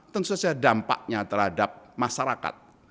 tentu saja dampaknya terhadap masyarakat